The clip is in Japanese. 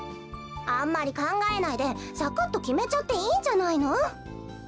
あんまりかんがえないでサクッときめちゃっていいんじゃないの？